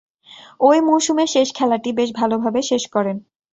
ঐ মৌসুমের শেষ খেলাটি বেশ ভালোভাবে শেষ করেন।